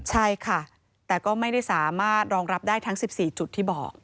ใช่ค่ะแต่ก็ไม่ได้สามารถรองรับได้ทั้ง๑๔จุดที่บอก